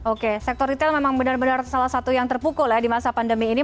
oke sektor retail memang benar benar salah satu yang terpukul ya di masa pandemi ini